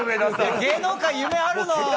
芸能界、夢あるなあ。